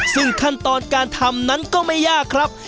ซึ่งขั้นตอนการทำนั้นก็ไม่ยากครับ